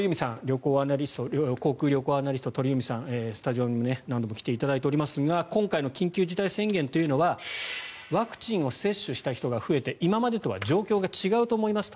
航空・旅行アナリストの鳥海さんスタジオにも何度も来ていただいておりますが今回の緊急事態宣言というのはワクチンを接種した人が増えて今までとは状況が違うと思いますと。